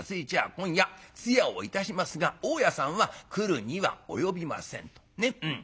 今夜通夜をいたしますが大家さんは来るには及びません』と。ね？